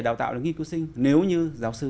đào tạo là nghiên cứu sinh nếu như giáo sư